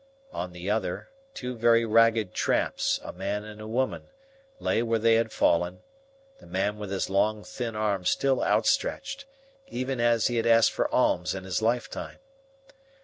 On the other, two very ragged tramps, a man and a woman, lay where they had fallen, the man with his long, thin arm still outstretched, even as he had asked for alms in his lifetime.